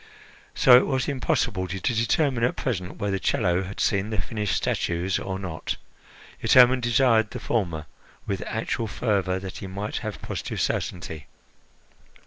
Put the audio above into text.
So it was impossible to determine at present whether Chello had seen the finished statues or not, yet Hermon desired the former with actual fervour, that he might have positive certainty.